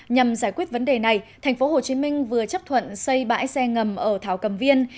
nhằm giải quyết vấn đề này thành phố hồ chí minh vừa chấp thuận xây bãi xe ngầm ở thảo cầm viên